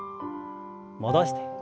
戻して。